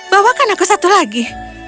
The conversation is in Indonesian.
bawakan aku satu lagi